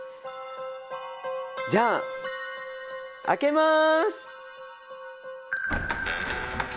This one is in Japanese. じゃあ開けます！